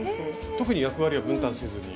特に役割は分担せずに。